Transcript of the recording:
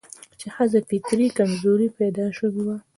چې ښځه فطري کمزورې پيدا شوې ده